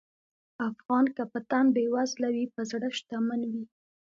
افغان که په تن بېوزله وي، په زړه شتمن وي.